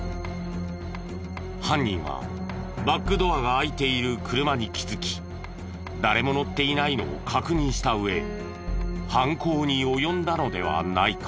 犯人はバックドアが開いている車に気づき誰も乗っていないのを確認した上犯行に及んだのではないか。